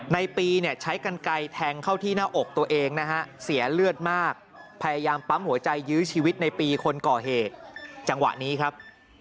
ในปีเนี่ยใช้กันไกลแทงเข้าที่หน้าอกตัวเองนะฮะเสียเลือดมากพยายามปั๊มหัวใจยื้อชีวิตในปีคนก่อเหตุจังหวะนี้ครับ